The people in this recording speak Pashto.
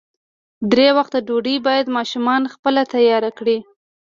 درې وخته ډوډۍ باید ماشومان خپله تیاره کړي.